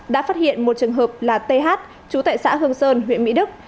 đã phát hiện một trường hợp là th chú tại xã hương sơn huyện mỹ đức